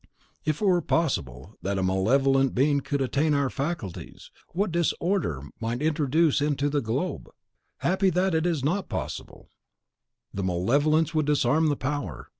If it were possible that a malevolent being could attain to our faculties, what disorder it might introduce into the globe! Happy that it is NOT possible; the malevolence would disarm the power.